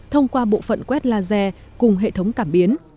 thông qua bộ phận quét laser cùng hệ thống cảm biến